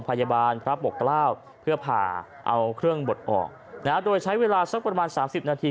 พยาบาลพระปกเกล้าเพื่อผ่าเอาเครื่องบดออกนะฮะโดยใช้เวลาสักประมาณสามสิบนาที